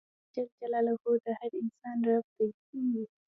اللهﷻ د هر انسان رب دی.